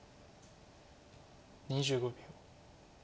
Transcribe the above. ２５秒。